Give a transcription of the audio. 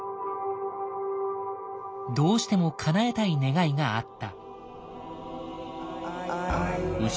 どうしてもかなえたい願いがあった。